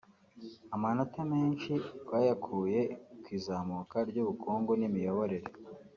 Amanota menshi rwayakuye ku izamuka ry’ ubukungu n’ imiyoborere